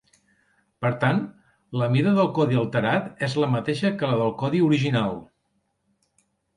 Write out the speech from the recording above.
Per tant, la mida del codi alterat és la mateixa que la del codi original.